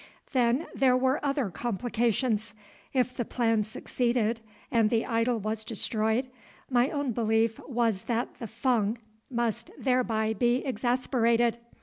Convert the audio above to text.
Then there were other complications. If the plan succeeded and the idol was destroyed, my own belief was that the Fung must thereby be exasperated.